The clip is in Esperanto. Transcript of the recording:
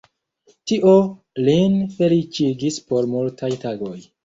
Tio lin feliĉigis por multaj tagoj.